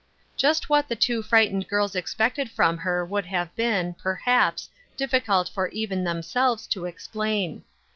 Just what the two frightened girls expected from her would have been, perhaps, difficult for even themselves to explain.